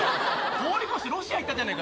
通り越して、ロシア行ったじゃねえか。